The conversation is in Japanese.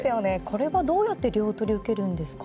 これはどうやって両取り受けるんですか。